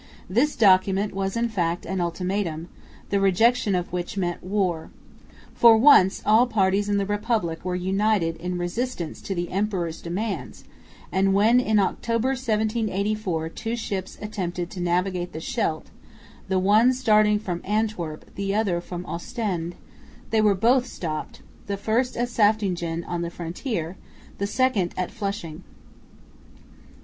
This document was in fact an ultimatum, the rejection of which meant war. For once all parties in the Republic were united in resistance to the emperor's demands; and when in October, 1784, two ships attempted to navigate the Scheldt, the one starting from Antwerp, the other from Ostend, they were both stopped; the first at Saftingen on the frontier, the second at Flushing.